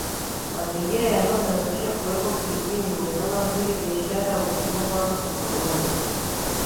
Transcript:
Mazingira yanayosababisha kuwepo Kipijini ni kama vile biashara utumwa ukoloni